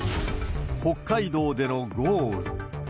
北海道での豪雨。